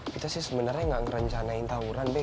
kita sih sebenarnya nggak ngerencanain tawuran deh